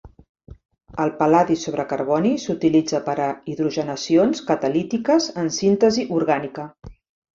El pal·ladi sobre carboni s'utilitza per a hidrogenacions catalítiques en síntesi orgànica.